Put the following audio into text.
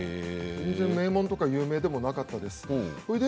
全然、名門とか有名ではなかったですね。